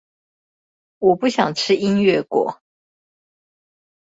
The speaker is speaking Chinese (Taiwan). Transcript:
我不想吃音樂果